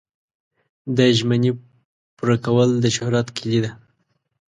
د ژمنې پوره کول د شهرت کلي ده.